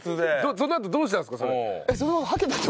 そのあとどうしたんですかそれ。